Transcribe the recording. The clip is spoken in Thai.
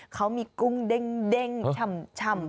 เขามีกุ้งเด้งชำ